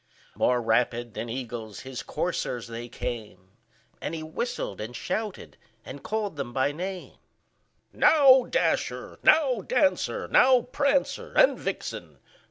More rapid than eagles his coursers they came, And he whistled, and shouted, and called them by name; "Now, Dasher! now, Dancer! now, Prancer and Vixen!